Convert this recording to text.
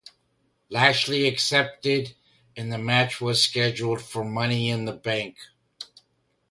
Lashley accepted and the match was scheduled for Money in the Bank.